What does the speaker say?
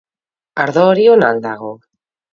Ardo hori ona al dago?